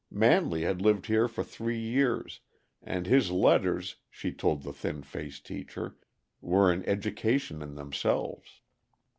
Manley had lived here for three years, and his letters, she told the thin faced teacher, were an education in themselves.